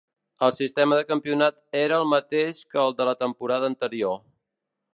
El sistema de campionat era el mateix que el de la temporada anterior.